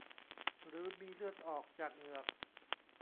หรือมีเลือดออกจากเหงือก